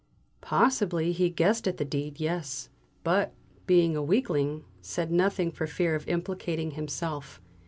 "Possibly he guessed at the deed, yes; but, being a weakling, said nothing for fear of implicating himself.